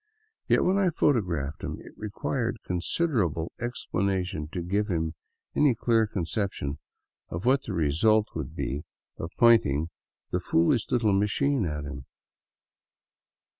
Yet when I photographed him, it required considerable explanation to give him any clear conception of what the result would be of " pointing the foolish little machine " at him.